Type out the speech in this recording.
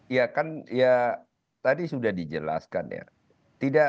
ya kan ya tadi sudah dijelaskan ya